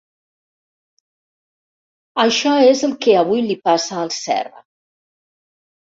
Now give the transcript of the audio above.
Això és el que avui li passa al Serra.